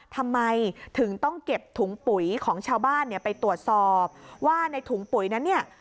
ทำไมถึงต้องเก็บถุงปุ๋ยของชาวบ้านเนี่ยไปตรวจสอบว่าในถุงปุ๋ยนั้นเนี่ย